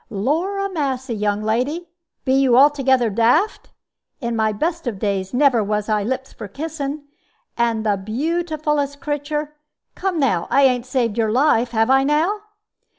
"Lor' a massy! young lady, be you altogether daft? In my best of days, never was I lips for kissing. And the bootifulest creatur Come now, I ain't saved your life, have I now?"